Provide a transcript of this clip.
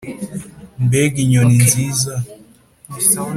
mbega inyoni nziza!